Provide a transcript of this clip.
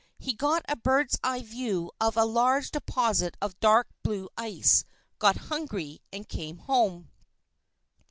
He got a bird's eye view of a large deposit of dark blue ice, got hungry and came home.